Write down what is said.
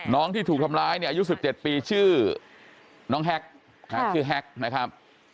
ที่ถูกทำร้ายเนี่ยอายุ๑๗ปีชื่อน้องแฮ็กชื่อแฮกนะครับ